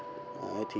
thì vì thế